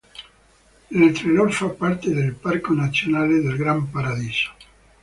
L'Entrelor fa parte del Parco Nazionale del Gran Paradiso.